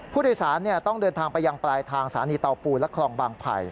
ผู้โดยสารต้องเดินทางไปยังปลายทางสถานีเตาปูนและคลองบางไผ่